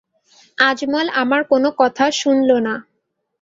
আজমল আমার কোনো কথা শুনল না।